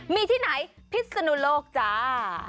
มีที่ไหนพิศนุโลกจ้า